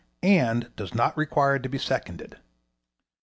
Rule N Does not require to be seconded.